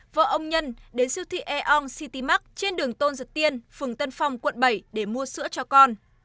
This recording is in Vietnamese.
vợ ông nhân đến siêu thị eon city mark trên đường tôn dược tiên phường tân phong quận bảy để mua sữa cho con